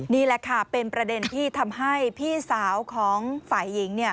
นี่แหละค่ะเป็นประเด็นที่ทำให้พี่สาวของฝ่ายหญิง